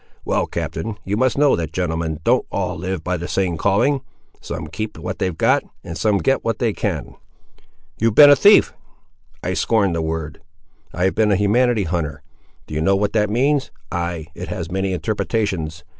"Well, captain, you must know that gentlemen don't all live by the same calling; some keep what they've got, and some get what they can." "You have been a thief." "I scorn the word. I have been a humanity hunter. Do you know what that means? Ay, it has many interpretations.